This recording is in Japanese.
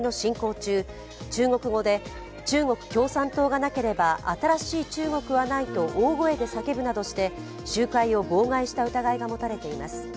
中国語で、中国共産党がなければ新しい中国はないと大声で叫ぶなどして集会を妨害した疑いが持たれています。